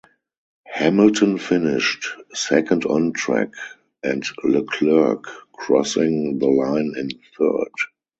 Hamilton finished second on track and Leclerc crossing the line in third.